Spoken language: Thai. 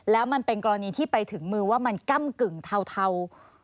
แล้วมันเป็นกรณีที่ไปถึงมือว่ามันก้ำกึ่งเทา